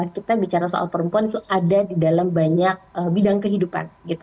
kita bicara soal perempuan itu ada di dalam banyak bidang kehidupan